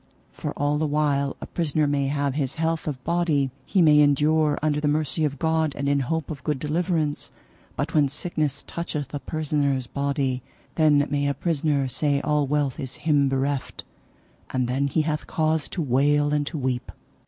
For all the while a prisoner may have his health of body he may endure under the mercy of God and in hope of good deliverance; but when sickness toucheth a prisoner's body, then may a prisoner say all wealth is him bereft, and then he hath cause to wail and to weep.